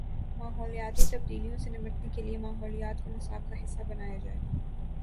ماحولیاتی تبدیلیوں سے نمٹنے کے لیے ماحولیات کو نصاب کا حصہ بنایا جائے۔